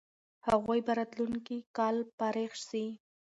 هغوی به راتلونکی کال فارغ سي.